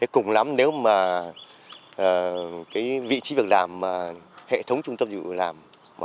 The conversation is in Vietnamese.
cùng lắm nếu mà vị trí việc làm hệ thống trung tâm dịch vụ việc làm